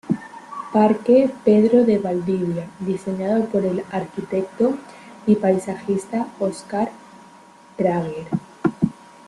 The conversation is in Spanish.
Parque Pedro de Valdivia, diseñado por el arquitecto y paisajista Óscar Prager.